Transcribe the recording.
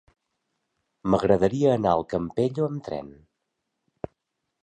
M'agradaria anar al Campello amb tren.